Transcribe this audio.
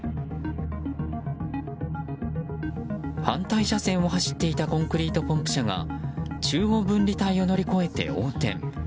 反対車線を走っていたコンクリートポンプ車が中央分離帯を乗り越えて横転。